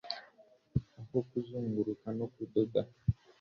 aho kuzunguruka no kudoda